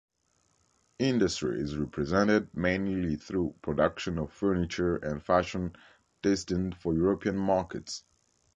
Industry is represented mainly through production of furniture and fashion destined for European markets.